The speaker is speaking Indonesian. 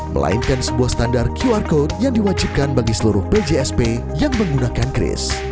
melainkan sebuah standar qr code yang diwajibkan bagi seluruh pjsp yang menggunakan kris